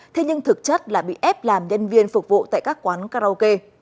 thế nhưng thực chất là bị ép làm nhân viên phục vụ tại các quán karaoke